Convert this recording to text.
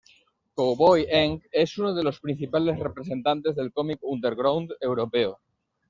Cowboy Henk es uno de los principales representantes de cómic underground europeo.